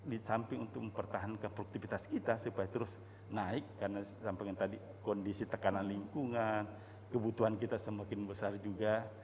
di samping untuk mempertahankan produktivitas kita supaya terus naik karena sampai tadi kondisi tekanan lingkungan kebutuhan kita semakin besar juga